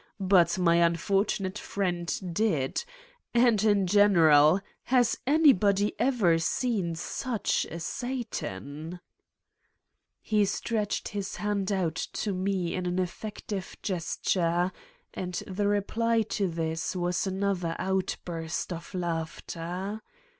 But my un fortunate friend did. And, in general, has any body ever seen such a Satan f " He stretched his hand out to me in an effective gesture and the reply to this was another out burst of laughter.